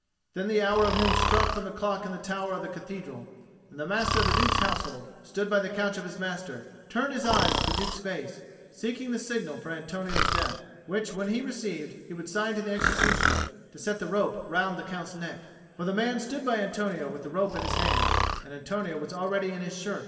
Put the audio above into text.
Then the hour of noon struck from the clock in the tower of the Cathedral; and the Master of the Duke's Household, who stood by the couch of his master, turned his eyes to the Duke's face, seeking the signal for Antonio's death; which when he received, he would sign to the executioner to set the rope round the Count's neck; for the man stood by Antonio with the rope in his hand, and Antonio was already in his shirt.